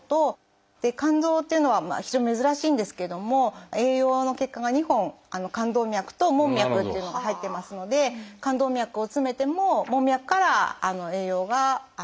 肝臓というのは非常に珍しいんですけども栄養の血管が２本肝動脈と門脈っていうのが入ってますので肝動脈を詰めても門脈から栄養が供給されるということになります。